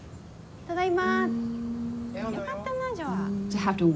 ただいま。